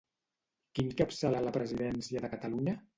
Qui encapçala la presidència de Catalunya?